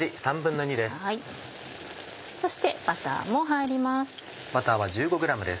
そしてバターも入ります。